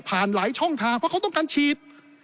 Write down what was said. หลายช่องทางเพราะเขาต้องการฉีด